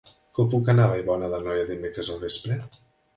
Com puc anar a Vallbona d'Anoia dimecres al vespre?